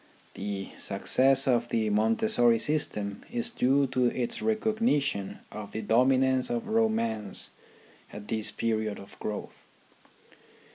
The success of the Montessori system is due to THE RHYTHM OF EDUCATION 19 its recognition of the dominance of romance at this period of growth.